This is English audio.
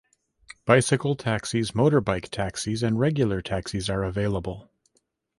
Bicycle taxis, motorbike taxis and regular taxis are available.